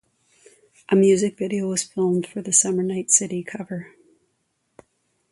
A music video was filmed for the Summer Night City cover.